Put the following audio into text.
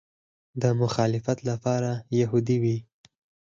د مخالفت لپاره یهودي وي.